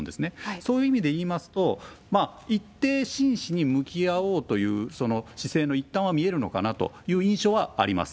そういう意味でいいますと、一定、真摯に向き合おうという姿勢の一端は見えるのかなという印象はあります。